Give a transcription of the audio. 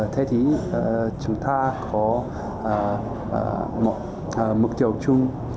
thế thì chúng ta có một mục tiêu chung